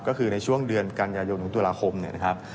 ก็คือในช่วงเดือนกันยายนถึงตุลาคมเนี่ยนะครับ